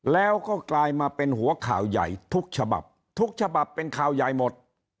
แล้วก็กลายมาเป็นหัวข่าวใหญ่ทุกฉบับทุกฉบับเป็นข่าวใหญ่หมด